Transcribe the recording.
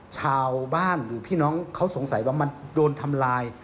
ชาวบ้านหรือพี่น้องเขาสงสัยว่ามันโดนทำลาย